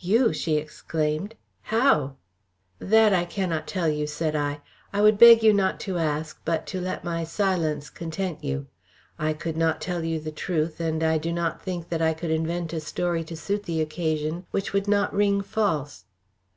"You?" she exclaimed. "How?" "That I cannot tell you," said I. "I would beg you not to ask, but to let my silence content you. I could not tell you the truth and I do not think that I could invent a story to suit the occasion which would not ring false.